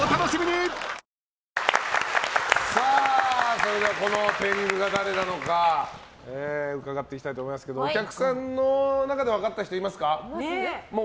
それではこの天狗が誰なのか伺っていきたいと思いますけどお客さんの中で分かった人、いますか？